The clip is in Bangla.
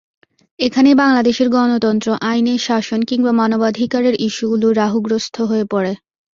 এখানেই বাংলাদেশের গণতন্ত্র, আইনের শাসন, কিংবা মানবাধিকারের ইস্যুগুলো রাহুগ্রস্ত হয়ে পড়ে।